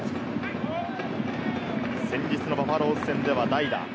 先日のバファローズ戦では代打。